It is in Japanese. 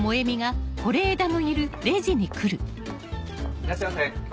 いらっしゃいませ。